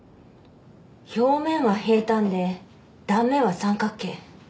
表面は平坦で断面は三角形。